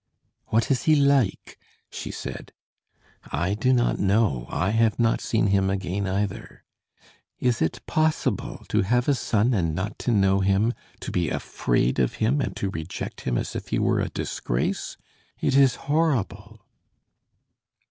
"What is he like?" she said. "I do not know. I have not seen him again, either." "Is it possible? To have a son and not to know him; to be afraid of him and to reject him as if he were a disgrace! It is horrible."